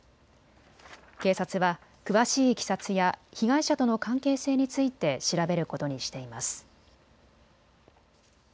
警察は詳しいいきさつや被害者との関係性について調べることにしています。